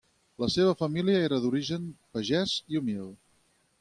La seva família era d'origen pagès i humil.